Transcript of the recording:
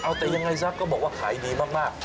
เอาแต่ยังไงซะก็บอกว่าขายดีมาก